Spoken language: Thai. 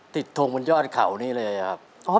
ทงบนยอดเขานี่เลยครับ